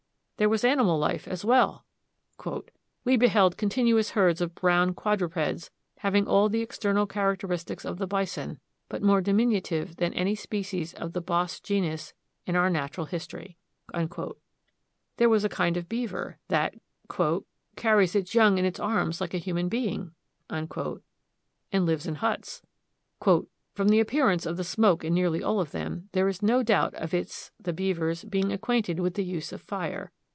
There was animal life as well; "we beheld continuous herds of brown quadrupeds, having all the external characteristics of the bison, but more diminutive than any species of the bos genus in our natural history." There was a kind of beaver, that "carries its young in its arms like a human being," and lives in huts. "From the appearance of smoke in nearly all of them, there is no doubt of its (the beaver's) being acquainted with the use of fire."